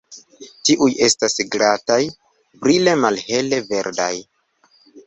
Tiuj estas glataj, brile malhele verdaj.